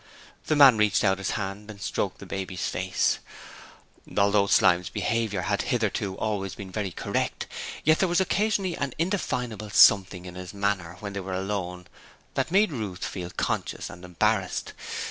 The man reached out his hand and stroked the baby's face. Although Slyme's behaviour had hitherto always been very correct, yet there was occasionally an indefinable something in his manner when they were alone that made Ruth feel conscious and embarrassed.